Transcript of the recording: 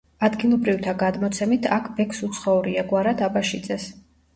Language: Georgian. ადგილობრივთა გადმოცემით, აქ ბეგს უცხოვრია, გვარად აბაშიძეს.